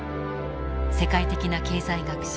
世界的な経済学者